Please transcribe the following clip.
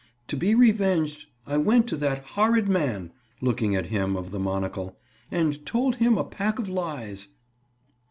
To be revenged, I went to that horrid man"—looking at him of the monocle—"and told him a pack of lies."